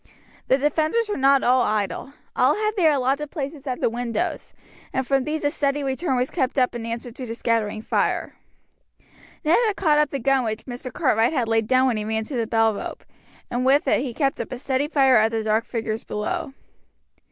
The defenders were not idle; all had their allotted places at the windows, and from these a steady return was kept up in answer to the scattering fire without. Ned had caught up the gun which Mr. Cartwright had laid down when he ran to the bell rope, and with it he kept up a steady fire at the dark figures below.